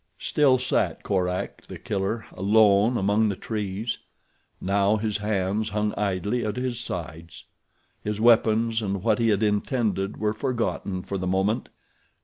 Still sat Korak, The Killer, alone among the trees. Now his hands hung idly at his sides. His weapons and what he had intended were forgotten for the moment.